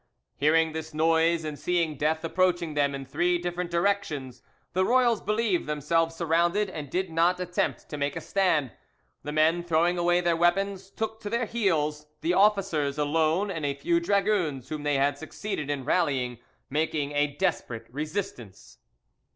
Hearing this noise, and seeing death approach them in three different directions, the royals believed themselves surrounded, and did not attempt to make a stand; the men, throwing away their weapons, took to their heels, the officers alone and a few dragoons whom they had succeeded in rallying making a desperate resistance.